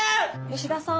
吉田さん。